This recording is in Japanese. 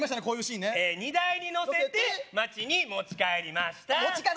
こういうシーンね荷台に乗せて町に持ち帰りました